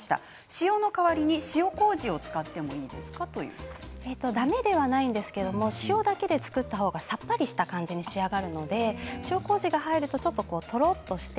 塩の代わりに塩こうじを使ってもだめではないんですけど塩だけで造った方がさっぱりした感じに仕上がるので塩こうじが入るとちょっととろっとして